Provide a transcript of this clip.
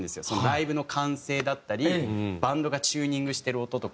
ライブの歓声だったりバンドがチューニングしてる音とか。